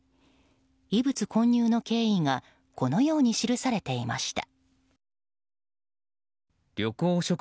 異物混入の経緯がこのように記されていました。